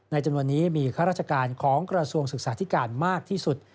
จำนวนนี้มีข้าราชการของกระทรวงศึกษาธิการมากที่สุด